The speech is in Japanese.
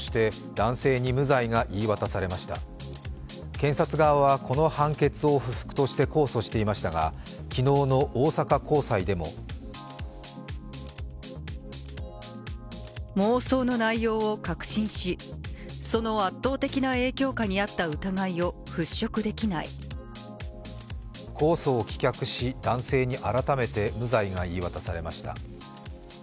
検察側はこの判決を不服として控訴していましたが、昨日の大阪高裁でも控訴を棄却し男性に改めて無罪が言い渡されました。